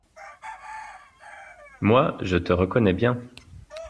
«Moi je te reconnais bien.